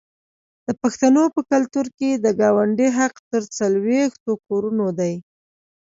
د پښتنو په کلتور کې د ګاونډي حق تر څلوېښتو کورونو دی.